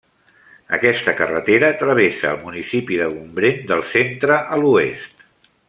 Aquesta carretera travessa el municipi de Gombrèn, del centre a l'oest.